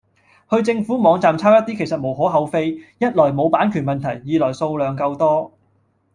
去政府網站抄一啲其實無可厚非，一來冇版權問題，二來數量夠多